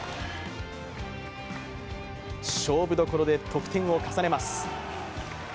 勝負どころで得点を重ねます。